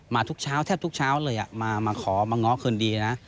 ทุกเช้าแทบทุกเช้าเลยมาขอมาง้อคืนดีนะ